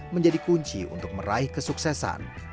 menjadi kunci untuk meraih kesuksesan